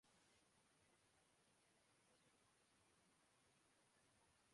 سناہے احسن اقبال بھی اقامہ دارہیں۔